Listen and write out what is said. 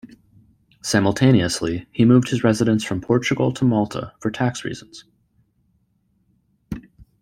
Simultaneously, he moved his residence from Portugal to Malta, for tax reasons.